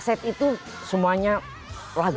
set itu semuanya lagu